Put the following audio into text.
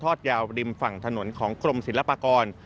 ยาวริมฝั่งถนนของกรมศิลปากร